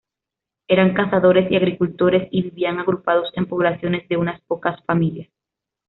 Eran cazadores y agricultores, y vivían agrupados en poblaciones de unas pocas familias.